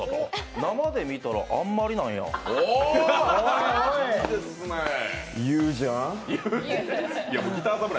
生で見たらあんなもんなんだ。